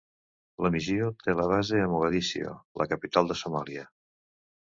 La missió té la base a Mogadiscio, la capital de Somàlia.